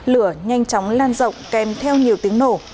lửa nhanh chóng lan rộng kèm theo nhiều tiếng nổ